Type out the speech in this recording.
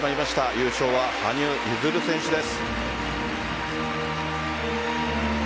優勝は羽生結弦選手です。